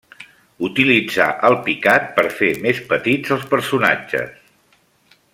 Utilitzà el picat per fer més petits els personatges.